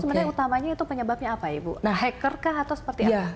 sebenarnya utamanya itu penyebabnya apa ibu nah hacker kah atau seperti apa